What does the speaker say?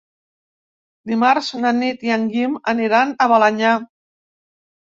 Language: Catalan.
Dimarts na Nit i en Guim aniran a Balenyà.